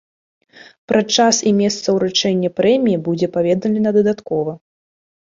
Пра час і месца ўручэння прэміі будзе паведамлена дадаткова.